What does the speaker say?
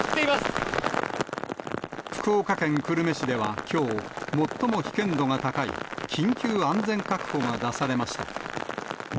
福岡県久留米市ではきょう、最も危険度が高い緊急安全確保が出されました。